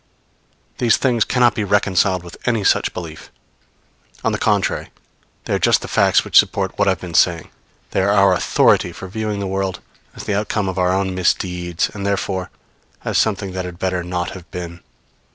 These things cannot be reconciled with any such belief. On the contrary, they are just the facts which support what I have been saying; they are our authority for viewing the world as the outcome of our own misdeeds, and therefore, as something that had better not have been.